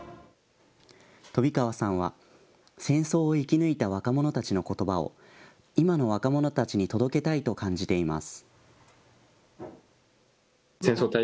飛川さんは戦争を生き抜いた若者たちのことばを今の若者たちに届けたいと感じています。